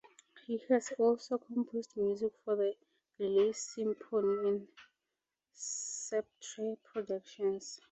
He has also composed music for the Raleigh Symphony and Spectre Productions.